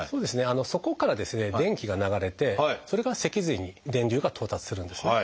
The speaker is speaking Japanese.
そこから電気が流れてそれが脊髄に電流が到達するんですね。